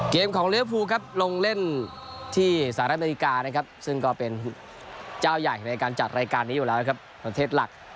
เกมของลิเวอร์ฟูครับลงเล่นที่สหรัฐอเมริกานะครับซึ่งก็เป็นเจ้าใหญ่ในการจัดรายการนี้อยู่แล้วครับประเทศหลัก